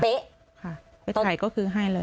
ไปถ่ายก็คือให้เลย